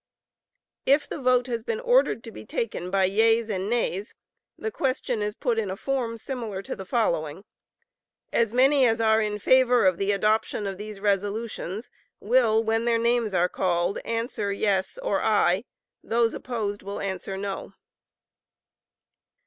] If the vote has been ordered to be taken by yeas and nays, the question is put in a form similar to the following: "As many as are in favor of the adoption of these resolutions, will, when their names are called, answer yes [or aye]—those opposed will answer no."